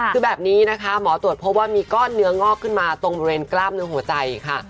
คือแบบนี้นะคะหมอตรวจพบว่ามีก้อนเนื้องอกขึ้นมาตรงบริเวณกล้ามเนื้อหัวใจค่ะ